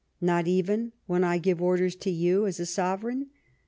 ..."" Not even when I give orders to you as a Sove reign